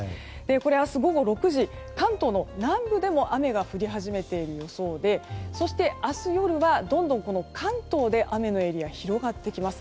明日午後６時、関東の南部でも雨が降り始めている予想でそして明日夜はどんどん関東で雨のエリアが広がってきます。